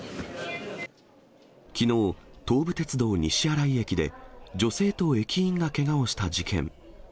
きのう、東武鉄道西新井駅で、女性と駅員がけがをした事件。